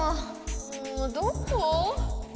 もうどこ？